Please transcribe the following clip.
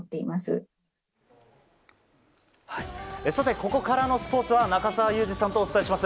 ここからのスポーツは中澤佑二さんとお伝えします。